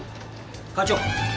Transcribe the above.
課長！